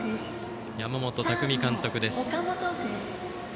山本巧監督です。